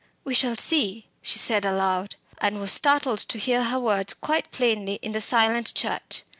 We shall see!" she said aloud, and was startled to hear her words quite plainly in the silent church.